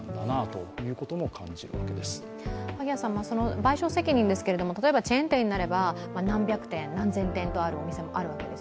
賠償責任ですが、例えばチェーン店になれば何百店、何千店というお店もあるわけです。